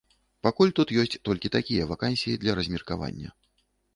Пакуль тут ёсць толькі такія вакансіі для размеркавання.